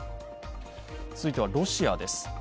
続いてはロシアです。